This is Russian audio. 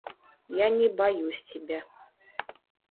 Я не боюсь тебя.